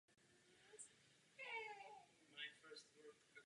Pojmenováno bylo podle řeky Jordan.